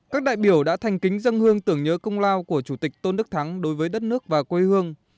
các đại biểu đã thành kính dân hương tưởng nhớ công lao của chủ tịch tôn đức thắng đối với đất nước và quê hương